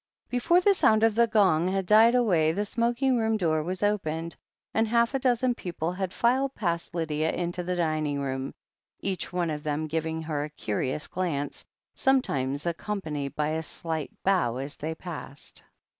Before the sound of the gong had died away the smoking room door was opened, and half a dozen people had filed past Lydia into the dining room, each one of them giving her a curious glance, sometimes accompanied by a slight bow, as they passed.